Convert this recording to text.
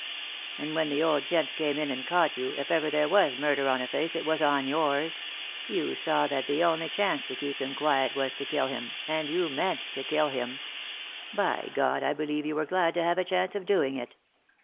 And when the old gent came in and caught you, if ever there was murder on a face it was on yours ; you saw that the only chance to keep him quiet was to kill him, and you meant to kill him ; by God, I believe you were glad to have a chance of doing it.